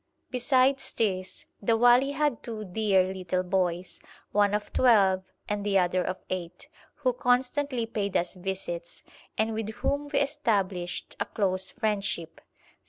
Besides these the wali had two dear little boys, one of twelve and the other of eight, who constantly paid us visits, and with whom we established a close friendship.